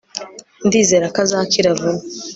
Ndizera ko azakira vuba